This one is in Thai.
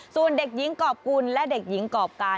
ส่วนเด็กหญิงกรอบกุลและเด็กหญิงกรอบการ